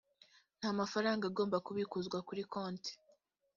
nta mafaranga agomba kubikuzwa kuri konti